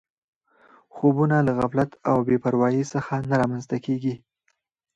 خوبونه له غفلت او بې پروایۍ څخه نه رامنځته کېږي